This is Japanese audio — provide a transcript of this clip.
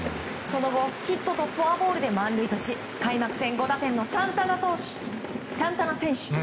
その後ヒットとフォアボールで満塁とし開幕戦５打点のサンタナ選手。